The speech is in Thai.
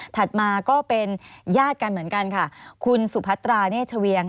มาก็เป็นญาติกันเหมือนกันค่ะคุณสุพัตราเนชเวียง